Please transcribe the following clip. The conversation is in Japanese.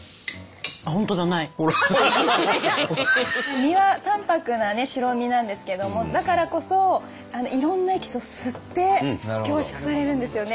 身は淡泊なね白身なんですけどもだからこそいろんなエキスを吸って凝縮されるんですよね。